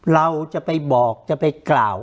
เราจะไปบอกจะไปกล่าว